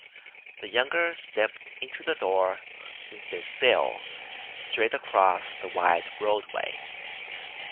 The youngster stepped into the door and set sail straight across the wide roadway.